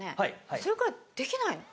それくらいできないの？